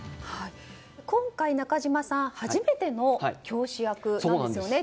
今回、中島さん初めての教師役なんですね。